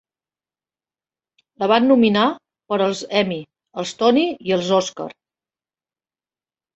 La van nominar per als Emmy, els Tony i els Òscar.